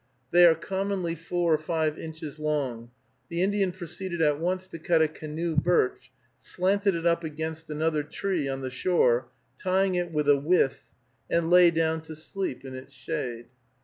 They are commonly four or five inches long. The Indian proceeded at once to cut a canoe birch, slanted it up against another tree on the shore, tying it with a withe, and lay down to sleep in its shade.